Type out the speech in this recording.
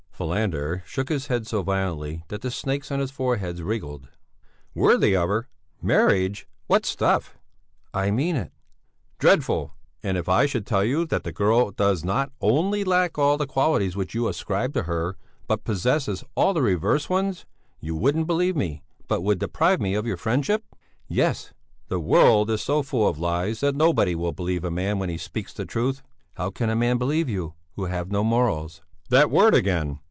Falander shook his head so violently that the snakes on his forehead wriggled. "Worthy of her? Marriage? What stuff!" "I mean it!" "Dreadful! And if I should tell you that the girl does not only lack all the qualities which you ascribe to her, but possesses all the reverse ones, you wouldn't believe me, but would deprive me of your friendship?" "Yes!" "The world is so full of lies, that nobody will believe a man when he speaks the truth." "How can a man believe you, who have no morals?" "That word again!